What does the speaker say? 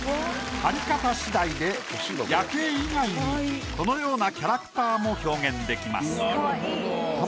貼り方しだいで夜景以外にこのようなキャラクターも表現できます。